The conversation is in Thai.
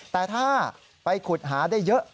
แต่ถ้าไปขุดหาได้เยอะ